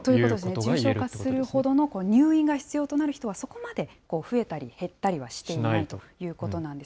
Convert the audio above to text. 重症化するほどの、入院が必要となる人はそこまで増えたり減ったりはしていないということなんです。